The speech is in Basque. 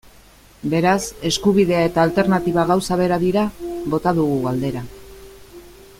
Beraz, eskubidea eta alternatiba gauza bera dira?, bota dugu galdera.